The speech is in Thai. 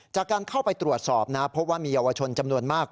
จากการเข้าไปตรวจสอบนะพบว่ามีเยาวชนจำนวนมาก